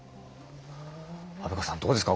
虻川さんどうですか？